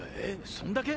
そんだけ？